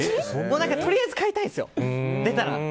とりあえず買いたいんですよ出たら。